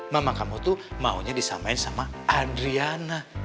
mama kamu tuh maunya disamain sama adriana